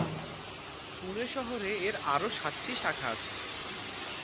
পুনে শহরে এর আরও সাতটি শাখা আছে।